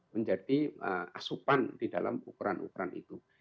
menjadi asupan di dalam ukuran ukuran itu